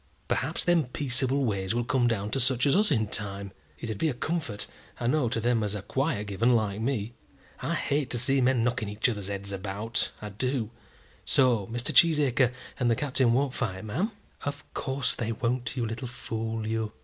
Perhaps them peaceable ways will come down to such as us in time. It'd be a comfort, I know, to them as are quiet given, like me. I hate to see men knocking each other's heads about, I do. So Mr. Cheesacre and the Captain won't fight, ma'am?" "Of course they won't, you little fool, you."